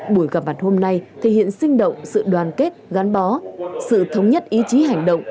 buổi gặp mặt hôm nay thể hiện sinh động sự đoàn kết gắn bó sự thống nhất ý chí hành động